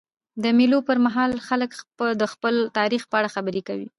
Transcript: د مېلو پر مهال خلک د خپل تاریخ په اړه خبري کوي.